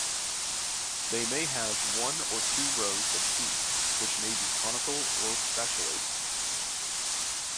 They have one or two rows of teeth, which may be conical or spatulate.